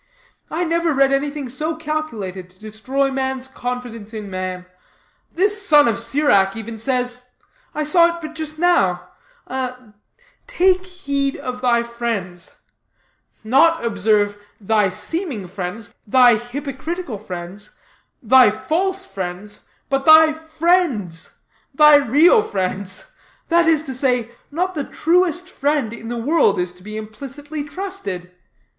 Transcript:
I never read anything so calculated to destroy man's confidence in man. This son of Sirach even says I saw it but just now: 'Take heed of thy friends;' not, observe, thy seeming friends, thy hypocritical friends, thy false friends, but thy friends, thy real friends that is to say, not the truest friend in the world is to be implicitly trusted.